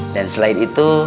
dan selain itu